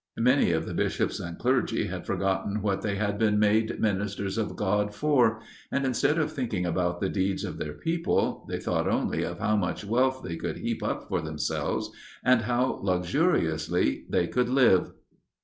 Many of the Bishops and clergy had forgotten what they had been made ministers of God for, and, instead of thinking about the needs of their people, they thought only of how much wealth they could heap up for themselves, and how luxuriously they could live.